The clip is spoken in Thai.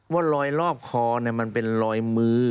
ว่ารอยรอบคอมันเป็นรอยมือ